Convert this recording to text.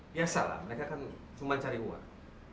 biasalah mereka kan cuma cari uang